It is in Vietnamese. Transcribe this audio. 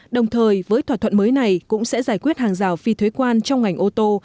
đồng thời với thỏa thuận mới này cũng sẽ giải quyết hàng rào phi thuế quan trong ngành ô tô